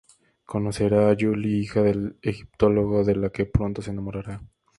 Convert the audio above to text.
Conocerá a Julie, hija del egiptólogo, de la que pronto se enamorará.